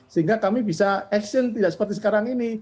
sehingga kami bisa action tidak seperti sekarang ini